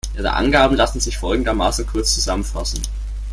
Ihre Angaben lassen sich folgendermaßen kurz zusammenfassen.